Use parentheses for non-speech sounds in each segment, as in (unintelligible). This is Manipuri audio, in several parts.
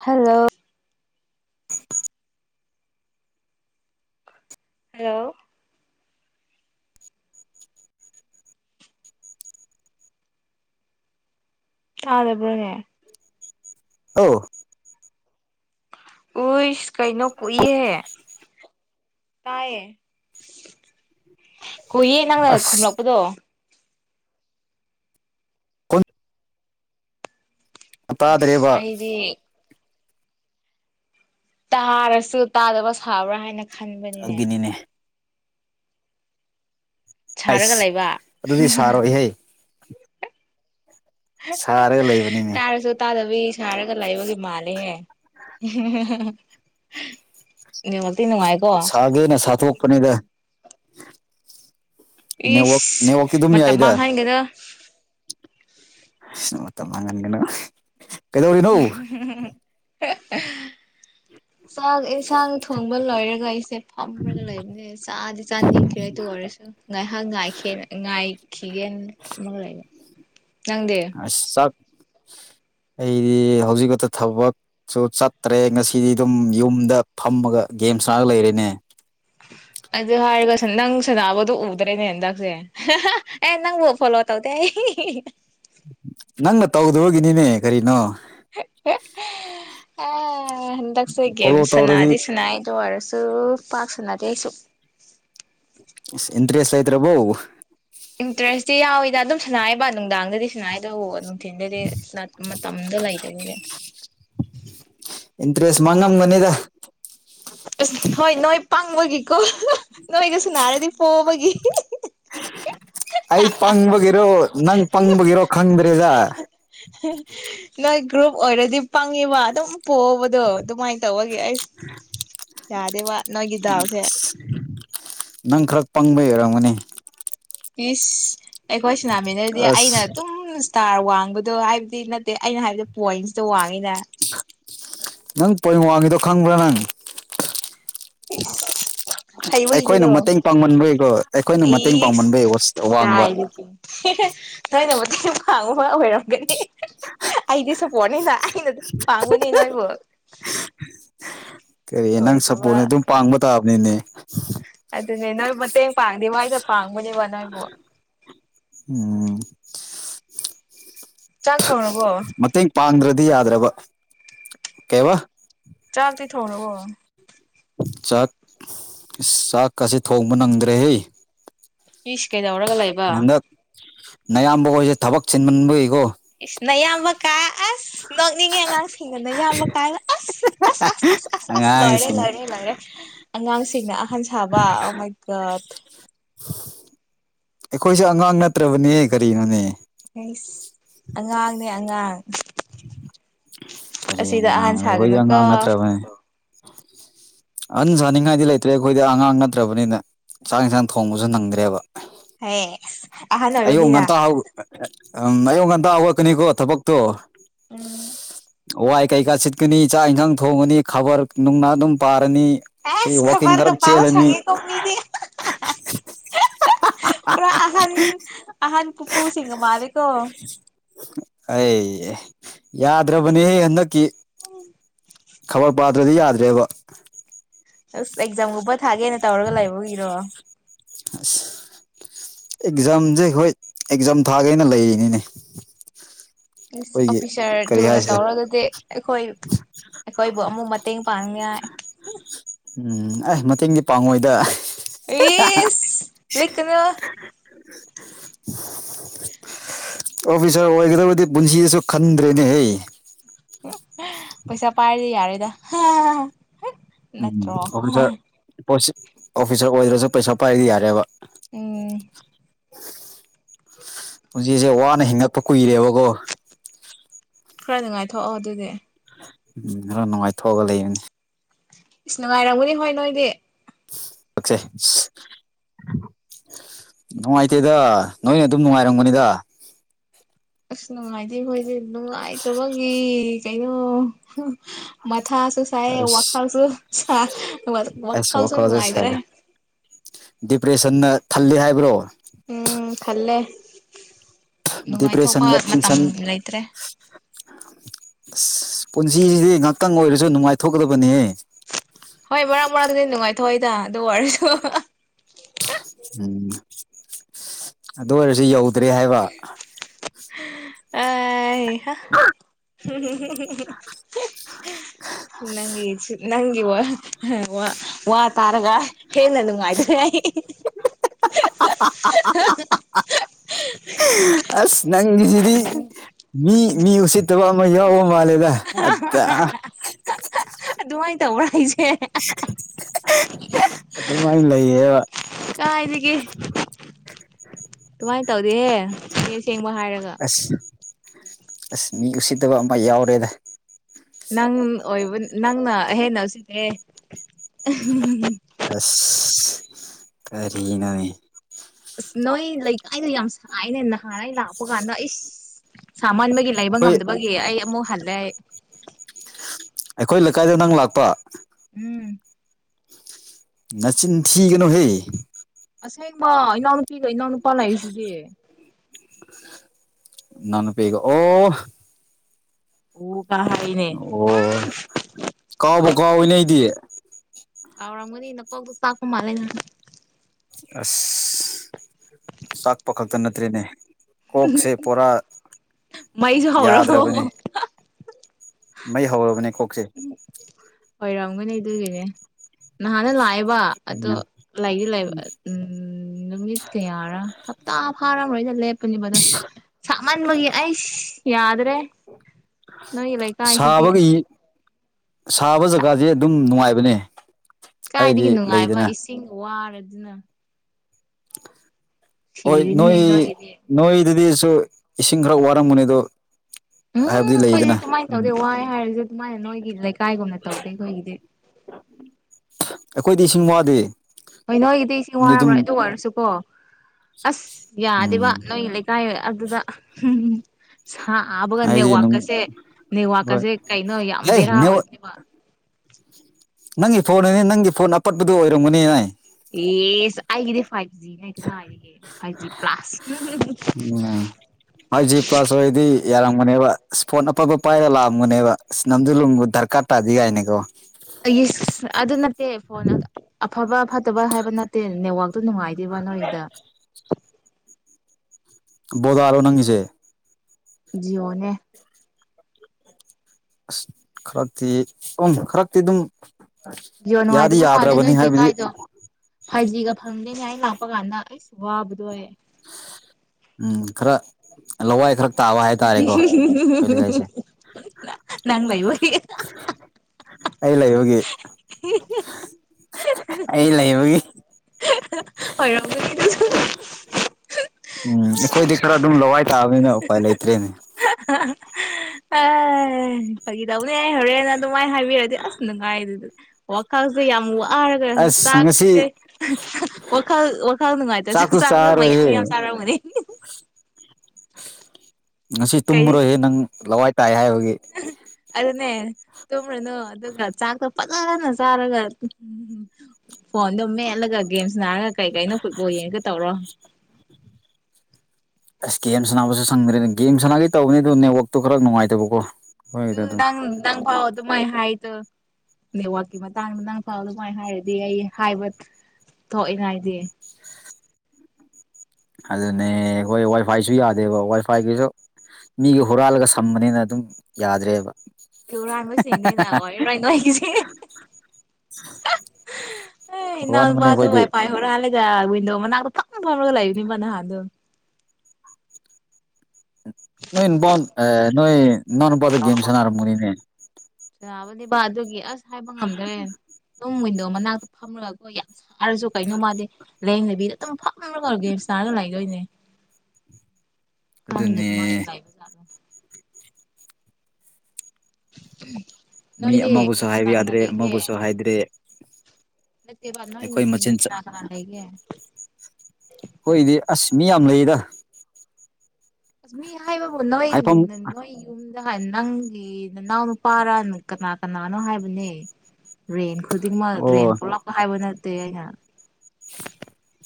ꯍꯜꯂꯣ ꯍꯜꯂꯣ ꯑꯗꯦꯕ꯭ꯔꯣꯅꯦꯦ ꯑ ꯎꯏꯁ ꯀꯩꯩꯅꯣ ꯀꯏ ꯇꯥꯏꯌꯦ ꯀꯨꯌꯦ ꯅꯪꯅ ꯑꯁ ꯈꯨꯝꯂꯛꯄꯗꯣ ꯀꯟ ꯇꯥꯗ꯭ꯔꯦꯕ ꯑꯩꯗꯤ ꯇꯥꯔꯁꯨ ꯇꯥꯗꯕ꯭ꯔꯥ ꯁꯥꯕ꯭ꯔꯥ ꯍꯥꯏꯅ ꯈꯟꯕꯅꯤꯅꯦ ꯑꯗꯨꯒꯤꯅꯤꯅꯦ ꯁꯥꯔꯒ ꯑꯩꯁ ꯂꯩꯕ ꯑꯗꯨꯗꯤ ꯁꯥꯔꯣꯏ ꯏꯍꯦ ꯁꯥꯔꯒ ꯂꯩꯕꯅꯤꯅꯦ ꯇꯔ ꯇꯥꯗꯕꯤ ꯁꯥꯔꯒ ꯂꯩꯕꯒꯤ ꯃꯥꯜꯂꯦꯍꯦ ꯅꯤꯡꯉꯗꯤ ꯅꯨꯅꯨꯡꯉ ꯁꯥꯒꯦꯅ ꯁꯥꯠꯇꯣꯛꯄꯅꯤꯗ ꯅꯦꯠꯋꯛ ꯏꯁ ꯅꯦꯠꯋꯥꯛꯀꯤ ꯑꯗꯨꯝ ꯃꯇꯝ ꯌꯥꯏꯗ ꯃꯥꯡꯍꯟꯒꯅꯨ ꯃ ꯇꯃ ꯉꯟꯒꯅ (unintelligible) ꯆꯥꯛ ꯌꯦꯟꯁꯥꯡ ꯊꯣꯡꯕ ꯂꯣꯏꯔꯒ ꯑꯩꯁꯦ ꯐꯝꯔꯒ ꯂꯩꯕꯅꯦ ꯆꯥꯗꯤ ꯆꯥꯅꯤꯡ ꯀꯔꯥꯏ ꯇ ꯋꯥꯔꯤꯔꯁꯨ ꯉ ꯅꯍꯥꯛ ꯉꯥꯏ ꯉꯥꯏꯈꯤꯒꯦꯅ ꯄꯥꯝꯂꯒ ꯂꯩꯅꯦ ꯅꯪꯗꯦ ꯑꯩ ꯆꯥꯛ ꯑꯩꯗꯤ ꯍꯧꯖꯤꯛꯀꯛꯇ ꯊꯕꯛ ꯁꯨ ꯆꯠꯇ꯭ꯔꯦ ꯉꯁꯤꯗꯤ ꯑꯗꯨꯝ ꯌꯨꯝꯗ ꯐꯝꯃꯒ ꯒꯦꯝ ꯁꯥꯅꯥꯔꯒ ꯂꯩꯔꯦꯅꯦ ꯑꯗꯨ ꯍꯥꯏꯔꯒ ꯅꯪ ꯁꯅꯥꯕꯗꯨꯣ ꯎꯗ꯭ꯔꯦꯅꯦ ꯍꯟꯗꯛꯁꯦ ꯑꯦ ꯅꯪꯕꯨ ꯐꯣꯂꯣ ꯇꯧ ꯇ ꯅꯪꯅ ꯇꯧꯗꯕꯒꯤꯅꯤꯅꯦ ꯀꯔꯤꯅꯣ ꯑ ꯍꯟꯗꯛꯁꯦ ꯐꯣꯂꯣ ꯒꯦꯝꯦꯝ ꯇꯧꯔꯗꯤ ꯁꯅꯥꯗꯤ ꯁꯅꯥ ꯋꯥꯔꯁꯨ ꯄꯥꯛ ꯁꯟꯅꯗꯦꯁꯨ ꯏꯟꯇ꯭ꯔꯦꯁ ꯑꯥꯏꯇ꯭ꯔꯦꯕꯣꯎ ꯏꯟꯇꯔꯦꯁꯇꯤ ꯌꯥꯎꯋꯤꯗ ꯑꯗꯨꯝ ꯁꯅꯥꯥꯏꯕ ꯅꯨꯡꯗꯥꯡꯗꯗꯤ ꯁꯅꯥꯥꯏ ꯇꯧꯋ ꯑꯗꯨꯝ ꯊꯤꯟꯗꯗꯤ ꯃꯇꯝꯗ ꯂꯩꯇꯕꯒꯤ ꯏꯟꯇꯔꯦꯁ ꯃꯥꯡꯉꯝꯒꯅꯤꯗ ꯑꯁ ꯍꯣꯏ ꯅꯣꯏ ꯄꯪꯕꯒꯤꯀꯣ ꯅꯣꯏꯒꯁꯨ ꯅꯥꯔꯗꯤ ꯄꯣꯛꯕꯒꯤ ꯑꯩ ꯄꯪꯕꯒꯤꯔꯣ ꯅꯪ ꯄꯪꯕꯒꯤꯔꯣ ꯈꯪꯗ꯭ꯔꯦꯗ ꯅꯣꯏ ꯒ꯭ꯔꯨꯞ ꯑꯣꯏꯔꯗꯤ ꯄꯪꯉꯕ ꯑꯗꯨꯝ ꯄꯣꯛꯕꯗꯣ ꯑꯗꯨꯃꯥꯏꯅ ꯇꯧꯒꯦ ꯑꯩꯁ ꯌꯥꯗꯦ ꯋꯥ ꯅꯣꯏꯒꯤ ꯗꯥꯎꯁꯦ ꯅꯪ ꯈꯔ ꯄꯪꯕ ꯌꯔꯝꯒꯅꯤ ꯄꯤꯁ ꯑꯩꯈꯣꯏ ꯁꯤꯅꯥꯃꯤꯟꯅꯗꯤ ꯑꯩꯅ ꯑꯁ ꯑꯗꯨꯝ ꯏꯁꯇꯥꯔ ꯋꯥꯡꯕꯗꯣ ꯍꯥꯏꯕꯗꯤ ꯅꯠꯇꯦ ꯑꯩꯅ ꯍꯥꯏꯕꯗ ꯄꯣꯏꯟꯁꯇꯣ ꯋꯥꯡꯉꯤꯅꯦ ꯅꯪ ꯄꯣꯏ ꯃ ꯋꯥꯡꯉꯗꯣ ꯈꯪꯕ꯭ꯔꯥ ꯅꯪ ꯏꯁ ꯍꯩꯕ ꯑꯩꯈꯣꯏꯅ ꯏꯂꯗꯣ ꯃꯇꯦꯡ ꯄꯥꯡꯃꯟꯕꯩꯀꯣ ꯑꯩꯈꯣꯏꯅ ꯃꯇꯦꯡ ꯑꯦ ꯄꯥꯡꯃꯟꯕꯩ ꯋꯥꯡꯕ ꯅꯣꯏꯅ ꯃꯇꯦꯡꯁꯨ ꯄꯥꯡꯕ ꯃ ꯑꯣꯏꯔꯝꯒꯅꯤ ꯍ (unintelligible) ꯑꯩꯗꯤꯁꯄꯣꯅꯦꯅ ꯑꯩꯅ ꯄꯥꯡꯒꯨꯅ ꯅꯣꯏꯕꯨ ꯀꯔꯤ ꯅꯪ ꯑꯣꯏꯗꯕ ꯁꯞꯄꯣꯔꯠꯅꯦ ꯑꯗꯨꯝ ꯄꯥꯡꯕ ꯇꯥꯕꯅꯤꯅꯦ ꯑꯗꯨꯅꯦ ꯅꯣꯏ ꯃꯇꯦꯡ ꯄꯥꯡꯗꯤꯦ ꯋꯥꯏꯗ ꯄꯥꯡꯕꯅꯦꯕ ꯅꯣꯏꯕꯨ ꯎꯝ ꯆꯥꯛ ꯊꯧꯅꯕꯣ ꯃꯇꯦꯡ ꯄꯥꯡꯗ꯭ꯔꯗꯤ ꯌꯥꯗ꯭ꯔꯕ ꯑꯣ ꯀꯦꯕ ꯆꯥꯛꯇꯤ ꯊꯣꯡꯔꯕꯣ ꯆꯥꯛ ꯆꯥꯛꯀꯁꯦ ꯊꯣꯡꯕ ꯅꯪꯗ꯭ꯔꯦꯍꯦ ꯢꯁ ꯀꯩꯗꯧꯔꯒ ꯂꯩꯕ ꯅꯌꯥꯝꯕꯈꯣꯏꯁꯦ ꯊꯕꯛ ꯁꯤꯟꯃꯟꯕꯒꯤꯀꯣ ꯏꯁꯅ ꯑꯌꯥꯝꯕ ꯀꯥꯔꯛ ꯑꯁ ꯅꯣꯛꯅꯤꯡꯉꯦ ꯑꯉꯥꯡꯁꯤꯡꯗꯨꯅ ꯏꯌꯥꯝꯕ ꯀꯥꯔꯛ ꯑꯁ ꯑꯁ ꯑꯁ ꯑꯁ ꯑꯁ ꯑꯁ ꯂꯣꯢꯔꯦ ꯑꯉꯥꯡꯁꯤꯡ ꯂꯣꯢꯔꯦ ꯂꯣꯢꯔꯦ ꯑꯉꯥꯡꯁꯤꯡꯅ ꯑꯍꯟ ꯁꯥꯕ ꯑꯃꯀ ꯑꯩꯈꯣꯏꯁꯦ ꯑꯉꯥꯡ ꯅꯠꯇ꯭ꯔꯕꯅꯦ ꯀꯔꯤꯅꯣꯅꯦ ꯑꯩꯁ ꯑꯉꯥꯡꯅꯦ ꯑꯉꯥꯡ ꯀꯔꯤ ꯑꯁꯤꯗ ꯑꯍꯥꯟ ꯑꯉꯥꯡ ꯑꯩꯈꯣꯏꯗꯤ ꯁꯥꯒꯅꯨꯀ ꯑꯉꯥꯡ ꯅꯠꯇ꯭ꯔꯕꯅꯤ ꯑꯍꯟ ꯆꯅꯤꯡꯉꯥꯏꯗꯤ ꯂꯩꯇ꯭ꯔꯦ ꯑꯩꯈꯣꯏꯗ ꯑꯉꯥꯡ ꯅꯠꯇ꯭ꯔꯕꯅꯤꯅ ꯆꯥꯛ ꯌꯦꯟꯁꯥꯡ ꯊꯣꯡꯕꯁꯨ ꯅꯪꯗ꯭ꯔꯦꯕ ꯍ (inaudible) ꯑꯌꯨꯛ ꯉꯟꯇꯥ ꯎ ꯑꯌꯨꯛ ꯉꯟꯇꯥ ꯍꯧꯔꯛꯀꯅꯤꯀꯣ ꯊꯕꯛꯇꯣ ꯎꯝ ꯋꯥꯋꯥꯏ ꯀꯩꯀꯥ ꯁꯤꯠꯀꯅꯤ ꯆꯥꯛ ꯏꯟꯁꯥꯡ ꯊꯣꯡꯉꯅꯤ ꯈꯕꯔ ꯅꯨꯡꯅ ꯑꯗꯨꯝ ꯄꯥꯔꯅꯤ ꯀꯔꯤ ꯑꯦꯁ ꯋꯥꯀꯤꯡ ꯀꯔꯞ ꯈꯕꯔꯒ ꯄꯥꯕ ꯆꯌꯂꯅꯤ ꯁꯪꯉꯦꯀꯣ ꯃꯤꯗꯤ ꯑꯣ ꯑꯍꯜ ꯑꯍꯜ ꯄꯨ ꯄꯨꯁꯤꯡꯒ ꯃꯥꯔꯀꯣ ꯑꯩ ꯌꯥꯗ꯭ꯔꯕꯅꯤ ꯍꯗꯀꯤ ꯎꯝ (inaudible) ꯇ꯭ꯔꯗꯤ ꯌꯥꯗ꯭ꯔꯦꯕ ꯑꯁ ꯑꯦꯛꯖꯥꯝꯒꯨꯝꯕ ꯊꯥꯒꯦꯅ ꯇꯧꯔꯒ ꯂꯩꯕꯒꯤꯔꯣ ꯑꯁ (inaudible) ꯑꯦꯛꯖꯥꯝꯁꯦ ꯍꯣꯏ ꯑꯦꯛꯖꯥꯝ ꯊꯥꯒꯩꯅ ꯂꯩꯔꯤꯅꯤꯅꯦ ꯏꯁ ꯑꯩꯈꯣꯏꯒꯤ ꯑꯣꯐꯤꯁꯥꯔ ꯀꯔꯤ ꯊꯨꯅ ꯍꯥꯏꯁꯤꯔ ꯇꯧꯔꯒꯗꯤ ꯑꯩꯈꯣꯏ ꯑꯩꯈꯣꯏꯕꯨ ꯑꯃꯨꯛ ꯃꯇꯦꯡ ꯄꯥꯡꯅꯤꯉꯥꯏ ꯎꯝ ꯑꯦ ꯃꯇꯦꯡꯗꯤ ꯄꯥꯡꯉꯣꯏꯗ (inaudible) ꯏꯁ ꯂꯤꯛꯀꯅꯨ ꯑꯣ ꯐꯁꯔ ꯑꯣꯏꯒꯗꯗꯤ ꯄꯨꯟꯁꯤꯗꯁꯨ ꯈꯟꯗ꯭ꯔꯦꯅꯦ ꯍꯦ ꯄꯩꯁꯥ ꯄꯥꯏꯔꯗꯤ ꯌꯥꯔ‌ꯦꯗ ꯎꯝ ꯑꯣꯐꯤꯁꯥꯔ ꯑꯣꯐꯤꯁꯥꯔ ꯑꯣꯏꯗ꯭ꯔꯁꯨ ꯄꯩꯁꯥ ꯄꯥꯏꯔꯗꯤ ꯌꯥꯔꯦꯕ ꯎꯝ ꯍꯧꯖꯤꯛꯁꯦ ꯋꯥꯅ ꯍꯤꯡꯒꯠꯄ ꯀꯨꯏꯔꯦꯕꯀꯣ ꯈꯔꯗꯤ ꯉꯥꯏꯊꯣꯛꯑꯣ ꯑꯗꯨꯗꯤ ꯎꯝ ꯈꯔ ꯅꯨꯡꯉꯥꯏꯊꯣꯛꯑꯒ ꯂꯩꯕꯅꯦ ꯏꯁ ꯅꯨꯡꯉꯥꯏꯔꯝꯒꯅꯤ ꯍꯣꯏ ꯅꯣꯏꯗꯤ ꯄꯆꯦ (inaudible) ꯅꯨꯡꯉꯥꯏꯇꯦꯗ ꯅꯣꯏꯅ ꯑꯗꯨꯝ ꯅꯨꯡꯉꯥꯏꯔꯝꯒꯅꯤꯗ ꯑꯁ ꯅꯨꯡꯉꯥꯏꯇꯦ ꯃꯣꯏꯗꯤ ꯅꯨꯡꯉꯥꯏꯇꯕꯒꯤ ꯀꯩꯅꯣ ꯃꯊꯥꯁꯨ ꯁꯥꯏꯌꯦ ꯑꯁ ꯋꯥꯈꯜꯁꯨ ꯑꯁ ꯋꯥꯈꯜꯁꯨ ꯋꯥꯈꯜꯁꯦ ꯅꯨꯡꯉꯥꯏꯗ꯭ꯔꯦ ꯁꯥꯏꯗ ꯗꯤꯄ꯭ꯔꯦꯁꯟꯅ ꯊꯜꯂꯤ ꯍꯥꯏꯕ꯭ꯔꯣ ꯎꯝ ꯊꯥꯜꯂꯦ ꯗꯤꯄ꯭ꯔꯦꯁꯟꯒ ꯇꯤꯟ ꯁꯟ ꯂꯩꯇ꯭ꯔꯦ ꯑꯁ ꯄꯨꯟꯁꯤꯁꯤꯗꯤ ꯉꯍꯥꯛꯇꯪ ꯑꯣꯏꯔꯁꯨ ꯅꯨꯡꯉꯥꯏꯊꯣꯛꯀꯗꯕꯅꯤ ꯍꯣꯏ ꯃꯔꯛ ꯃꯔꯛꯇꯗꯤ ꯅꯨꯡꯉꯥꯏꯊꯣꯛꯑꯏꯗ ꯑꯗꯨ ꯋꯥꯔꯤꯁꯨ ꯎꯝ ꯑꯗꯨ ꯑꯣꯏꯔꯁꯨ ꯌꯧꯗ꯭ꯔꯦ ꯍꯥꯏꯕ ꯑꯦ ꯍꯥ (inaudible) ꯅꯪ ꯅꯪꯒꯤ ꯋꯥ ꯋꯥ ꯋꯥ ꯇꯥꯔꯒ ꯍꯦꯟꯏ ꯅꯨꯡꯉꯥꯢꯒꯔꯦ ꯑꯩ (inaudible) (inaudible) ꯑꯁ ꯅꯪꯒꯤꯁꯤꯔꯤ ꯃꯤ ꯃꯤ ꯎꯁꯤꯠꯇꯕ ꯑꯃ ꯌꯥꯎꯕ ꯃꯥꯜꯂꯦꯗ ꯑ ꯑꯗꯨꯃꯥꯏꯅ ꯇꯧꯕ꯭ꯔꯥ ꯑꯩꯁꯦ ꯑꯗꯨꯃꯥꯏꯅ ꯂꯩꯌꯦꯕ ꯀꯥꯏꯗꯒꯤꯗꯒꯤ (unintelligible) ꯑꯗꯨꯃꯥꯏꯅ ꯇꯧꯗꯍꯦ ꯑꯁꯦꯡꯕ ꯍꯥꯏꯔꯒ ꯑꯁ ꯑꯁ ꯃꯤ ꯎꯁꯤꯠꯇꯕ ꯑꯃ ꯌꯥꯎꯔꯦꯗ ꯅꯪ ꯑꯣꯏꯕ ꯅꯪꯅ ꯑꯍꯦꯟꯅ ꯁꯤꯁꯦ ꯑꯁ ꯀꯔꯤꯅꯃꯤ ꯑꯁ ꯅꯣꯏ ꯂꯩꯀꯥꯏꯗ ꯌꯥꯝ ꯁꯥꯏꯅ ꯅꯍꯥꯟ ꯂꯥꯛꯄ ꯀꯥꯟꯗ ꯑꯩ ꯁꯃꯟꯕꯒꯤ ꯂꯩꯕ ꯑꯩꯈꯣꯏ ꯉꯝꯗꯕꯒꯤ ꯑꯩ ꯑꯃꯨꯛ ꯍꯜꯂꯦ ꯑꯩ ꯑꯩꯈꯣꯏ ꯂꯩꯀꯥꯏꯗ ꯅꯪ ꯂꯥꯛꯄ ꯎꯝ ꯅꯆꯤꯟ ꯊꯤꯒꯅꯣꯍꯦ ꯑꯁꯦꯡꯕ ꯏꯅꯥꯎꯅꯨꯄꯤꯒ ꯏꯅꯥꯎꯅꯨꯄꯥ ꯂꯩꯔꯤꯁꯤꯗꯤ ꯅꯅ ꯄꯒ ꯑꯣ (inaudible) ꯑꯣ ꯒ ꯍꯜꯢꯅꯦ ꯑꯣ ꯀꯥꯎꯕ ꯀꯥꯎꯋꯏ ꯅ ꯑꯩꯗꯤ ꯑꯧꯔ ꯃꯅꯤ ꯏꯅ ꯀꯣꯛꯁꯨ ꯆꯥꯛꯄ ꯃꯥꯜ ꯅꯪ ꯑꯁ ꯆꯥꯛꯄ ꯈꯛꯇ ꯅꯠꯇ꯭ꯔꯦꯅꯦ ꯀꯣꯛꯁꯦ ꯄꯨꯔꯥ ꯃꯩꯁꯨ ꯍꯧꯔꯕꯣ ꯌꯥꯗ꯭ꯔꯕꯅꯤ ꯃꯩ ꯍꯧꯔꯕꯅꯦ ꯀꯣꯛꯁꯦ ꯑꯣꯏꯣꯏꯔꯝꯒꯅꯤ ꯑꯗꯨꯒꯤꯅꯦ ꯅꯍꯥꯟꯅ ꯂꯥꯛꯑꯦꯕ ꯑꯗꯣ ꯂꯩꯒꯤ ꯂꯩꯕ ꯎꯝ ꯅꯨꯃꯤꯠ ꯀꯌꯥꯔꯥ ꯊꯞꯇꯥ ꯐꯥꯔꯝꯔꯣꯏꯅ ꯂꯦꯞꯄꯅꯦꯕ ꯑꯗꯣ ꯁꯥꯃꯟ ꯂ ꯑꯩꯁ ꯌꯥꯗ꯭ꯔꯦ ꯅꯣꯏꯒꯤ ꯂꯩꯀꯥꯏꯁꯤꯗꯤ ꯁꯥꯕꯒꯤ ꯁꯥꯕ ꯖꯒꯥꯗꯤ ꯑꯗꯨꯝ ꯅꯨꯡꯉꯥꯏꯕꯅꯦ ꯑꯩꯗꯤ ꯂꯩꯗꯅ ꯏꯤꯡ ꯋꯥꯔꯗꯨꯅ ꯍꯣꯏ ꯅꯣꯏ ꯔꯤꯅꯦꯍꯦ ꯅꯣꯏꯒꯤꯗꯤ ꯅꯣꯏꯗꯗꯤꯁꯨ ꯏꯁꯤꯡ ꯈꯔ ꯋꯥꯔꯝꯕꯅꯦ ꯑ ꯑꯗꯨ ꯎꯝ ꯑꯩꯈꯣꯏꯗꯤ ꯑꯗꯨꯃꯥꯏꯅ ꯇꯧꯗꯦ ꯋꯥꯏ ꯍꯥꯏꯔꯁꯨ ꯑꯗꯨꯃꯥꯏꯅ ꯅꯣꯏꯒꯤ ꯂꯩꯀꯥꯏꯒꯨꯝꯅ ꯇꯧꯗꯦ ꯑꯩꯈꯣꯏꯒꯤꯗꯤ ꯑꯩꯈꯣꯏꯗꯤ ꯏꯁꯤꯡ ꯋꯥꯗꯦ ꯍꯣꯏ ꯅꯣꯏꯒꯤꯗꯤ ꯏꯁꯤꯡ ꯋꯥꯔꯝꯔꯣꯏ ꯑꯗꯨ ꯑꯣꯏꯔꯁꯨꯀꯣ ꯑꯁ ꯌꯥꯗꯦꯕ ꯎꯝ ꯅꯣꯏꯒꯤ ꯇꯥꯏ ꯑꯗꯨꯗ ꯁꯥꯕꯒ ꯍꯥꯏꯗꯤ ꯅꯦꯠꯋꯥꯛꯀꯁꯦ ꯍꯣꯏ ꯅꯦꯠꯋꯥꯛꯀꯁꯦ ꯀꯩꯅꯣ ꯌꯥꯝ ꯌꯥꯏ ꯕꯦꯔꯥ ꯑꯣꯏꯕꯅꯦꯕ ꯅꯪꯒꯤ ꯐꯣꯟ ꯍꯥꯏꯅꯤ ꯅꯪꯒꯤ ꯐꯣꯟ ꯑꯄꯠꯄꯗꯨ ꯑꯣꯏꯔꯝꯒꯅꯤ ꯅ ꯑꯦꯁ ꯑꯩꯒꯤꯗꯤ ꯐꯥꯏ ꯐꯖꯤꯅ ꯀꯗ ꯍꯥꯏꯒꯦ ꯐꯥꯏꯚꯖꯤ ꯄ꯭ꯂꯁ ꯑꯣꯏꯗꯤ ꯌꯥꯔꯝꯒꯅꯦꯕ ꯏꯁꯄꯣꯠ ꯑꯐꯕ ꯄꯥꯏꯔꯒ ꯂꯥꯛꯑꯝꯒꯅꯦꯕ ꯅꯝꯗꯨ ꯂꯨꯝꯕ ꯗꯔꯀꯥꯔ ꯇꯥꯗꯤ ꯀꯥꯏꯅꯤꯀꯣ ꯌꯦꯁ ꯑꯗꯨ ꯅꯠꯇꯦ ꯐꯣꯟ ꯑꯐꯕ ꯠꯇꯕꯔ ꯍꯥꯏꯕ ꯅꯠꯇꯦ ꯅꯦꯠꯋꯥꯛꯇꯣ ꯅꯨꯡꯉꯥꯏꯗꯦꯕ ꯅꯣꯏꯒꯤꯗ ꯎ ꯕꯣꯗꯥꯥꯜꯂꯣ ꯅꯪꯉꯤꯁꯦ ꯖꯤ ꯑꯣꯅꯦ ꯑꯁ ꯈꯂꯛꯇꯤ ꯎꯝ ꯈꯂꯛꯇꯤ ꯑꯗꯨꯝ ꯖꯤꯑꯣ ꯌꯥꯗꯤ ꯅꯨꯡꯉꯥꯏꯇꯕ ꯃꯥꯜꯂꯦ ꯅꯣꯏ ꯌꯥꯗ꯭ꯔꯕꯅꯤ ꯍꯥꯏꯕꯗꯤ ꯂꯩꯀꯥꯏꯗꯣ ꯐꯥꯏꯚ ꯖꯤꯒ ꯐꯪꯗꯦꯅꯦ ꯑꯩꯅ ꯂꯥꯛꯄ ꯀꯥꯟꯗ ꯑꯩꯁꯨ ꯋꯥꯕꯗꯣ ꯎꯝ ꯈꯔ ꯂꯋꯥꯏ ꯈꯔ ꯇꯥꯕ ꯍꯥꯏꯇꯥꯔꯦꯀꯣ ꯑꯩꯈꯣꯏ ꯂꯩꯀꯥꯏꯁꯦ (inaudible) ꯅꯪ ꯂꯏꯕ ꯑꯩ ꯂꯩꯕꯒꯤ ꯑꯩ ꯂꯩꯕꯒꯤ ꯍꯔꯝ ꯎꯝ ꯑꯩꯈꯣꯏꯗꯤ ꯈꯔ ꯑꯗꯨꯝ ꯂꯋꯥꯏ ꯇꯥꯛꯑꯕꯅꯤꯅ ꯎꯄꯥꯏ ꯂꯩꯇ꯭ꯔꯦꯅꯦ ꯑꯦ ꯐꯒꯤꯗꯧꯅꯦ ꯍꯣꯔꯦꯟꯦꯟ ꯑꯗꯨꯃꯥꯏꯅ ꯍꯥꯏꯕꯤꯔ ꯗꯤ ꯑꯁ ꯅꯨꯡꯉꯥꯏꯗ ꯋꯥꯈꯥꯛꯁꯦ ꯌꯥꯝ ꯋꯥꯔꯒ ꯑꯁ ꯉꯁꯤ ꯆꯥꯛꯁꯦ ꯋꯥꯈꯜ ꯋꯥꯈꯜ ꯅꯨꯡꯉꯥꯏꯇ꯭ꯔꯁꯨ ꯆꯥꯛꯁꯨ ꯆꯥꯛꯗ ꯃ ꯌꯥꯝ ꯆꯥꯔꯣꯏꯍꯦ ꯌꯥꯝ ꯆꯥꯔꯝꯒꯅꯤ ꯉꯁꯤ ꯀꯩ ꯇꯨꯝꯃꯔꯣꯏꯍꯦ ꯅꯪ ꯂꯋꯥꯏ ꯇꯥꯏ ꯍꯥꯏꯕꯒꯤ ꯑꯗꯨꯅꯅꯦ ꯇꯨꯝꯂꯅꯨ ꯑꯗꯨꯒ ꯆꯥꯛꯇ ꯐꯖꯅ ꯆꯥꯔꯒ ꯐꯣꯟꯗꯣ ꯃꯦꯠꯂꯒ ꯒꯦꯝꯁ ꯅꯥꯔꯒ ꯀꯔꯤ ꯀꯩꯅꯣ ꯐꯨꯠꯕꯣꯜ ꯌꯦꯡꯉꯒ ꯇꯧꯔꯣ ꯑꯁ ꯒꯦꯝ ꯁꯥꯟꯅꯕꯁꯨ ꯁꯪꯗ꯭ꯔꯦꯅ ꯒꯦꯝ ꯁꯥꯟꯒꯩ ꯇꯧꯕꯅꯦ ꯑꯗꯨ ꯅꯦꯠꯋꯥꯛꯇꯣ ꯈꯔ ꯅꯨꯡꯉꯥꯏꯇꯕꯀꯣ ꯑꯩꯈꯣꯏꯒꯤꯗꯣ ꯑꯗꯨꯝ ꯇꯪ ꯐꯥꯎ ꯑꯗꯨꯃꯥꯏꯅ ꯍꯥꯏꯗ ꯅꯦꯠꯋꯥꯛꯀꯤ ꯃꯇꯥꯡ ꯃꯇꯥꯡ ꯐꯥꯎꯕ ꯑꯗꯨꯃꯥꯏꯅ ꯍꯥꯏꯔꯗꯤ ꯑꯩ ꯍꯥꯏꯕ ꯊꯣꯛꯏꯉꯥꯏꯗꯤ ꯑꯗꯨꯅꯦ ꯑꯩꯈꯣꯏ ꯋꯥꯏ ꯐꯥꯏꯁꯨ ꯌꯥꯗꯦꯕ ꯋꯥꯏ ꯐꯥꯏꯒꯤꯁꯨ ꯃꯤꯒꯤ ꯍꯨꯔꯥꯜꯂꯒ ꯁꯝꯕꯅꯤꯅ ꯑꯗꯨꯝ ꯌꯥꯗ꯭ꯔꯦꯕ ꯏꯔꯥꯟꯕꯁꯅꯦꯅꯦ ꯍꯔꯥꯏꯒꯤꯁꯤꯅꯦ ꯑ ꯏ ꯅ ꯍꯨꯔꯥꯟꯕꯅꯦ ꯋꯥꯗ ꯑꯩꯈꯣꯏꯗꯤ ꯍ ꯄ ꯍꯨꯔꯜꯂꯒ ꯋꯤꯟꯗꯣ ꯃꯅꯥꯛꯇ ꯐꯝ ꯐꯝꯔꯒ ꯂꯩꯅꯤꯕ ꯅꯍꯥꯟꯗꯣ ꯅꯣꯏꯟ ꯕꯥꯎꯟ ꯑꯥ ꯅꯣꯏ ꯅꯅꯥꯎ ꯅꯨꯄꯥꯗꯨ ꯒꯦꯝ ꯁꯥꯅꯔꯝꯒꯅꯤꯅꯦ꯫ ꯁꯅꯕꯅꯦꯕ ꯑꯗꯨꯒꯤ ꯑꯁ ꯍꯥꯏꯕ ꯉꯝꯗ꯭ꯔꯦ ꯑꯗꯨꯝ ꯋꯤꯟꯗꯣ ꯃꯅꯥꯛꯇꯥ ꯐꯝꯂꯔꯒ ꯑꯈꯣꯏ ꯍꯥꯏꯔꯁꯨ ꯀꯩꯅꯣ ꯃꯥꯗꯤ ꯂꯦꯡꯗꯕꯤꯗ ꯑꯗꯨꯝ ꯐꯝꯔꯒ ꯒꯥꯝ ꯁꯅꯔꯒ ꯂꯩꯗꯣꯏꯅꯦ ꯈꯪꯗꯦ ꯑꯗꯨꯅꯦ ꯀꯃꯥꯥꯏꯅ ꯂꯩ ꯃꯤ ꯅꯣꯏꯗꯤ ꯑꯃꯕꯨꯁꯨ ꯀꯅꯥ ꯍꯥꯏꯕ ꯀꯅꯥ ꯌꯥꯗ꯭ꯔꯦ ꯂꯩꯒꯦ ꯑꯃꯕꯨꯁꯨ ꯍꯥꯏꯗ꯭ꯔꯦ ꯂꯠꯇꯦꯕ ꯅꯣꯏ ꯑꯩꯈꯣꯏ ꯎꯝ ꯃꯆꯤꯟ ꯀꯅꯥꯥ ꯀꯅꯥ ꯂꯩꯒꯦ ꯈꯣꯏꯗꯤ ꯑꯁ ꯃꯤ ꯌꯥꯝ ꯂꯩꯌꯦꯗ ꯑꯁ ꯃꯤ ꯍꯥꯏꯕꯕꯨ ꯅꯣꯏ ꯍꯥꯏꯐꯝ ꯅ ꯅꯣꯏ ꯌꯨꯝꯗ ꯍꯥꯏ ꯅꯪꯒꯤ ꯅꯅꯥꯎ ꯅꯨꯄꯥꯔꯅ ꯀꯅꯥ ꯀꯅꯥꯅꯣ ꯍꯥꯏꯕꯅꯦ ꯔꯦꯟ ꯈꯨꯗꯤꯡꯃꯛ ꯔꯦꯟ ꯑꯣ ꯄꯨꯂꯞ ꯍꯥꯏꯕ ꯅꯠꯇꯦ ꯑꯩꯅ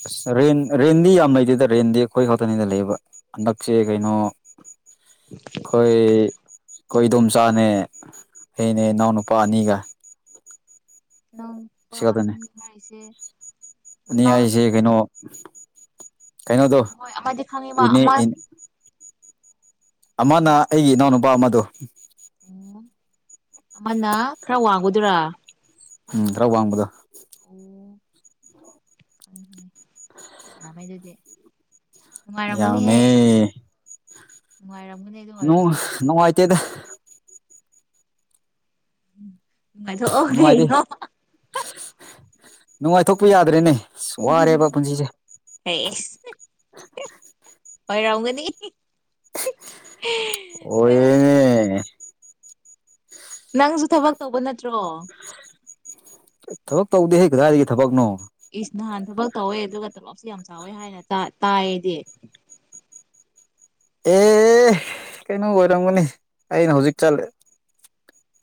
ꯑꯁ ꯔꯦꯟ ꯔꯦꯟꯗꯤ ꯌꯥꯝ ꯂꯩꯗꯦꯗ ꯔꯦꯟꯗꯤ ꯑꯩꯈꯣꯏ ꯈꯛꯇꯅꯤꯗ ꯂꯩꯏꯕ ꯍꯟꯗꯛꯁꯦ ꯀꯩꯅꯣ ꯈꯣꯏ ꯈꯣꯏ ꯏꯗꯣꯝꯆꯥꯅꯦ ꯑꯩꯅꯦ ꯏꯅꯥꯎꯅꯨꯄꯥ ꯑꯅꯤꯒ ꯅꯎꯄꯥ ꯁꯤ ꯈꯛꯇꯅꯦ ꯑꯅꯤ ꯍꯥꯏꯁꯦ ꯑꯅꯤ ꯍꯥꯏꯁꯦ ꯀꯩꯅꯣ ꯀꯩꯅꯣꯗꯣ ꯍꯣꯏ ꯑꯃꯗꯤ ꯈꯪꯉꯦꯕ ꯏꯅꯦ ꯑꯃ ꯑꯃꯅ ꯑꯩꯒꯤ ꯏꯅꯥꯎꯅꯨꯄꯥ ꯑꯃꯗꯣ ꯑꯣ ꯑꯃꯅ ꯈꯔ ꯋꯥꯡꯕꯗꯨꯔꯥ ꯎꯝ ꯈꯔ ꯋꯥꯡꯕꯗꯣ ꯎꯝ ꯈꯥꯡꯑꯦ ꯈꯥꯡꯑꯦ ꯌꯥꯝꯃꯦ ꯑꯗꯨꯗꯤ ꯅꯨꯡꯉꯥꯏꯔꯝꯒꯅꯤꯍꯦ ꯌꯥꯃꯦ ꯅꯨꯡꯉꯥꯏꯔꯝꯒꯅꯤ ꯑꯗꯨ ꯑꯣꯏꯔꯁꯨ (inaudible) ꯅꯨꯡꯉꯥꯏꯇꯦꯗ ꯅꯨꯡꯉꯥꯏꯊꯣꯛꯑꯣ ꯅꯨꯡꯉꯥꯏꯇꯦ ꯀꯩꯅꯣ ꯅꯨꯡꯉꯥꯏꯊꯣꯛꯄ ꯌꯥꯗ꯭ꯔꯦꯅꯦ ꯋꯥꯔꯦꯕ ꯄꯨꯟꯁꯤꯁꯦ ꯑꯁ ꯑꯣꯏꯔꯥꯝꯒꯅꯤ ꯑꯣꯏ ꯅꯪꯁꯨ ꯊꯕꯛ ꯇꯧꯕ ꯅꯠꯇ꯭ꯔꯣ ꯊꯕꯛ ꯇꯧꯗꯦꯍꯦ ꯀꯗꯥꯏꯗꯒꯤ ꯊꯕꯛꯅꯣ ꯏꯁ ꯅꯍꯥꯟ ꯊꯕꯛ ꯇꯧꯋꯦ ꯑꯗꯨꯒ ꯇꯂꯞꯁꯨ ꯌꯥꯝ ꯆꯥꯎꯋꯦ ꯍꯥꯏꯅ ꯇꯥ ꯇꯥꯏꯗꯤ ꯑꯦ ꯀꯩꯅꯣ ꯑꯣꯏꯔꯝꯒꯅꯤ ꯑꯩꯅ ꯍꯧꯖꯤꯛ ꯆꯠꯂꯦ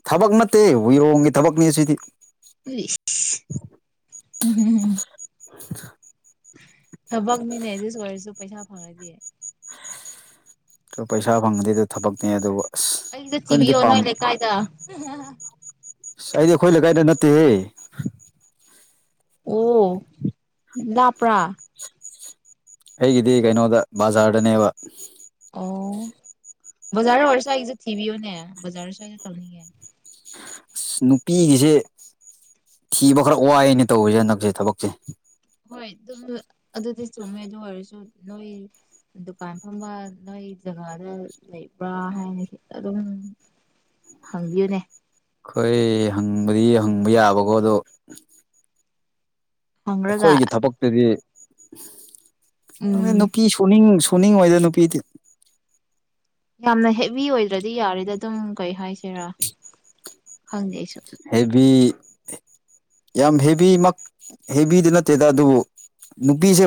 ꯊꯕꯛ ꯅꯠꯇꯦ ꯎꯨꯏꯔꯣꯡꯒꯤ ꯊꯕꯛꯅꯦ ꯁꯤꯗꯤ (inaudible) ꯊꯕꯛꯅꯤꯅꯦ ꯑꯗꯨꯁꯨ ꯑꯣꯏꯔꯁꯨ ꯄꯩꯁꯥ ꯐꯪꯉꯗꯤ ꯄꯩꯁꯥ ꯐꯪꯉꯗꯤ ꯑꯗꯨ ꯊꯕꯛꯅꯦ ꯑꯗꯨꯕꯨ ꯑꯁ ꯑꯩꯁꯦ ꯆꯤꯕꯤ ꯑꯩꯈꯣꯏꯅꯗꯤ ꯌꯣꯟꯅ ꯄꯥꯝ ꯂꯩꯀꯥꯏꯗ ꯑꯁ ꯑꯩꯗꯤ ꯑꯩꯈꯣꯏ ꯂꯩꯀꯥꯏꯗ ꯅꯠꯇꯦꯍꯦ ꯑꯣ ꯂꯥꯞꯄ꯭ꯔꯥ ꯑꯩꯒꯤꯗꯤ ꯀꯩꯅꯣꯗ ꯕꯖꯥꯔꯗꯅꯦꯕ ꯑꯣ ꯕꯖꯥꯔ ꯑꯣꯏꯔꯁꯨ ꯑꯩꯒꯤꯁꯨ ꯊꯤꯕꯤꯌꯣꯅꯦ ꯕꯖꯥꯔ ꯁ꯭ꯋꯥꯏꯗ ꯇꯧꯅꯤꯡꯉꯦ ꯑꯁ ꯅꯨꯄꯤꯒꯤꯁꯦ ꯊꯤꯕ ꯈꯔ ꯋꯥꯏꯅꯦ ꯇꯧꯏꯁꯦ ꯍꯟꯗꯛꯁꯦ ꯊꯕꯛꯁꯦ ꯍꯣꯏ ꯑꯗꯨꯝ ꯑꯗꯨꯗꯤ ꯆꯨꯝꯃꯦ ꯑꯗꯨ ꯑꯣꯏꯔꯁꯨ ꯅꯣꯏ ꯗꯨꯀꯥꯟ ꯐꯝꯕ ꯅꯣꯏ ꯖꯒꯥꯗ ꯂꯩꯕ꯭ꯔꯥ ꯍꯥꯏꯅ ꯑꯗꯨꯝ ꯍꯪꯕꯤꯌꯨꯅꯦ ꯈꯣꯏ ꯍꯪꯕꯗꯤ ꯍꯪꯕ ꯌꯥꯕꯀꯣ ꯑꯗꯣ ꯍꯪꯔꯒ ꯑꯩꯈꯣꯏꯒꯤ ꯊꯕꯛꯇꯗꯤ ꯎꯝ ꯅꯨꯄꯤꯁꯨꯅꯤꯡ ꯁꯨ ꯁꯨꯅꯤꯡꯑꯣꯏꯗ ꯅꯨꯄꯤꯗꯤ ꯌꯥꯝꯅ ꯍꯦꯕꯤ ꯑꯣꯏꯗ꯭ꯔꯗꯤ ꯌꯥꯔꯦꯗ ꯑꯗꯨꯝ ꯀꯩ ꯍꯥꯏꯁꯤꯔꯥ ꯈꯪꯗꯦ ꯑꯩꯁꯨ ꯍꯦꯕꯤ ꯌꯥꯝ ꯍꯦꯕꯤꯃꯛ ꯍꯦꯕꯤꯗꯤ ꯅꯠꯇꯦꯗ ꯑꯗꯨꯕꯨ ꯅꯨꯄꯤꯁꯦ